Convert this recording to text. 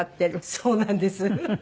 そうなんです。